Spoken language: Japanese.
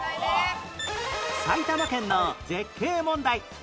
埼玉県の絶景問題